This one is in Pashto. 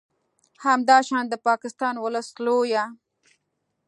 همداشان د پاکستان ولس لویه ب